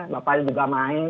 bapaknya juga main